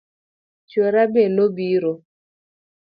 Chuora be nobiro